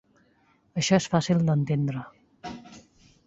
Això és fàcil d'entendre.